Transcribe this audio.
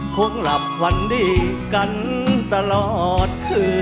คงหลับวันดีกันตลอดคืน